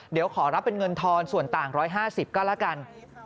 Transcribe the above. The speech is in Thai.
เดี๋ยวขอรับเป็นเงินทอนส่วนต่าง๑๕๐ก็แล้วกัน